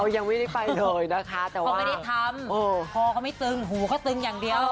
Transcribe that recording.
ยังไม่ได้ไปเลยนะคะแต่ว่าเขาไม่ได้ทำคอเขาไม่ตึงหูเขาตึงอย่างเดียว